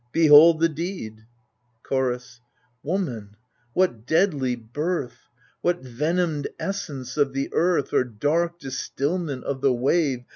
Behold the deed ! Chorus Woman, what deadly birth, What venomed essence of the earth Or dark distilment of the wave.